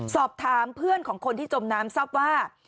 สอบถามเพื่อนของคนที่จมน้ำทราบว่า